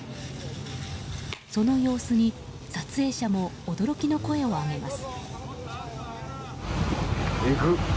その様子に撮影者も驚きの声を上げます。